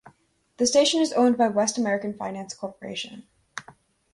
The station is owned by West American Finance Corporation.